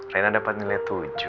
rena dapat nilai tujuh